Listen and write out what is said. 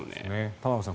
玉川さん